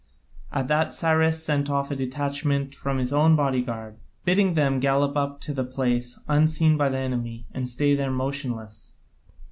At that Cyrus sent off a detachment from his own bodyguard, bidding them gallop up to the place, unseen by the enemy, and stay there motionless.